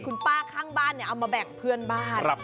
คุณป้าข้างบ้านเอามาแบ่งเพื่อนบ้าน